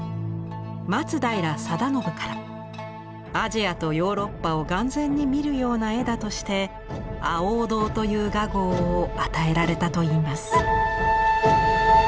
松平定信からアジアとヨーロッパを眼前に見るような絵だとして「亜欧堂」という雅号を与えられたといいます。